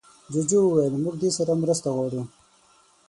جوجو وویل موږ دې سره مرسته غواړو.